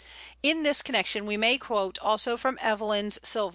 In this connection we may quote also from Evelyn's "Sylva."